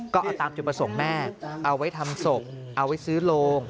ก็เอาตามจุดประสงค์แม่เอาไว้ทำศพเอาไว้ซื้อโรง